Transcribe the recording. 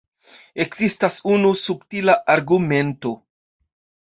Ekzistas unu subtila argumento.